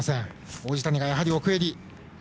王子谷がやはり、奥襟。